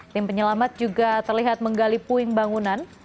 tim penyelamat juga terlihat menggali puing bangunan